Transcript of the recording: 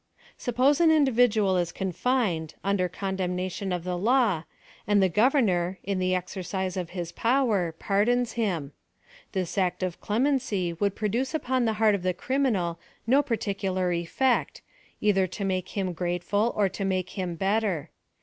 Suppose an individual is confined, under condem nation oi the law, and the governor, in the exercise of his powers, pardons him : this act of clemency would produce upon the heart of the criminal no particular effect, either to make him grateful, or to make him better.